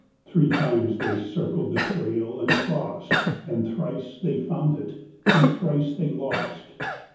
Three times they circled the trail and crossed, And thrice they found it and thrice they lost.